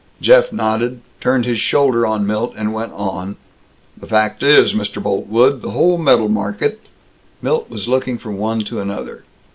Jeff nodded, turned his shoulder on Milt, and went on, "The fact is, Mr. Boltwood, the whole metal market " Milt was looking from one to another.